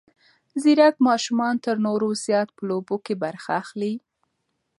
ځیرک ماشومان تر نورو زیات په لوبو کې برخه اخلي.